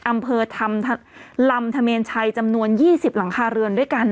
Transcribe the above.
อำเภอลำธเมนชัยจำนวน๒๐หลังคาเรือนด้วยกัน